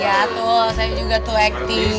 ya tuh saya juga tuh acting